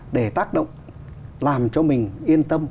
để tác động làm cho mình yên tâm